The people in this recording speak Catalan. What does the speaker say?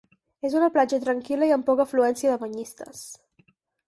És una platja tranquil·la i amb poca afluència de banyistes.